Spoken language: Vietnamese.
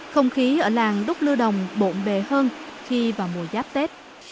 không khí ở làng đúc lưu đồng bộn bề hơn khi vào mùa giáp tết